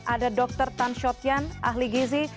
ada dr tan shotian ahli gizi